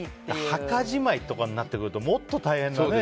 墓じまいとかになってくるともっと大変なね。